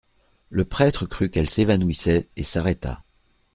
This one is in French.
Le prêtre crut qu'elle s'évanouissait, et s'arrêta.